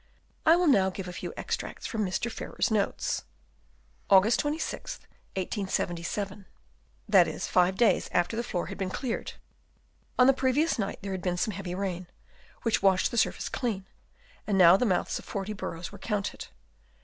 I will now give a few extracts from Mr. Farrer's notes. Aug. 26th, 1877 ; that is, Hve days after the floor had been cleared. On the previous night there had been some heavy rain, which washed the surface clean, and now the mouths of forty burrows were counted.